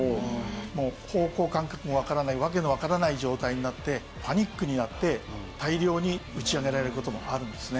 もう方向感覚もわからないわけのわからない状態になってパニックになって大量に打ち上げられる事もあるんですね。